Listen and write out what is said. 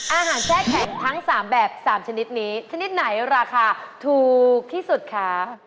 แช่แข็งทั้ง๓แบบ๓ชนิดนี้ชนิดไหนราคาถูกที่สุดคะ